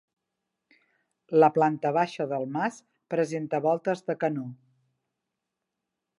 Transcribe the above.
La planta baixa del mas presenta voltes de canó.